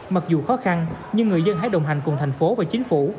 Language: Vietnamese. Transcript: mặc dù khó khăn nhưng người dân hãy đồng hành cùng thành phố và chính phủ